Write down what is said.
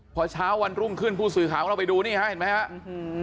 พอเช้าวันรุ่งขึ้นผู้สื่อข่าวของเราไปดูนี่ฮะเห็นไหมฮะ